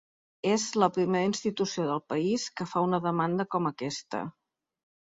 És la primera institució del país que fa una demanda com aquesta.